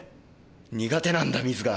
苦手なんだ水が。